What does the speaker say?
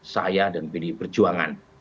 saya dan pd perjuangan